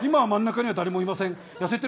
今は真ん中には誰もいません。